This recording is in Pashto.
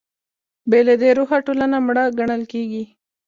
بې له دې روحه ټولنه مړه ګڼل کېږي.